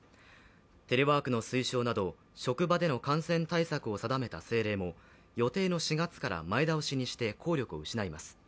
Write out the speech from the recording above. テレワークの推奨など職場での感染対策を定めた政令でも予定の４月から前倒しにして効力を失います。